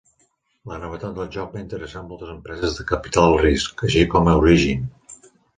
La novetat del joc va interessar a moltes empreses de capital risc, així com a Origin.